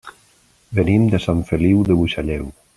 Venim de Sant Feliu de Buixalleu.